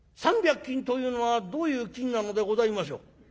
「３百金というのはどういう金なのでございましょう？」。